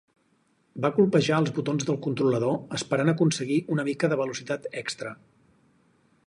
Va colpejar els botons del controlador esperant aconseguir una mica de velocitat extra.